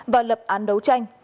và lập án đấu tranh